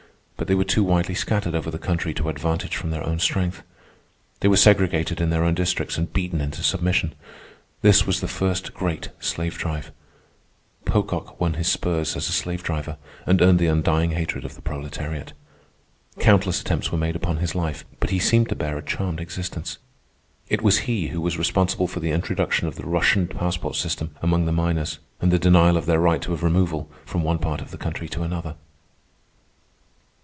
But they were too widely scattered over the country to advantage from their own strength. They were segregated in their own districts and beaten into submission. This was the first great slave drive. Pocock won his spurs as a slave driver and earned the undying hatred of the proletariat. Countless attempts were made upon his life, but he seemed to bear a charmed existence. It was he who was responsible for the introduction of the Russian passport system among the miners, and the denial of their right of removal from one part of the country to another.